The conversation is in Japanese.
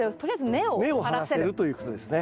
根を張らせるということですね。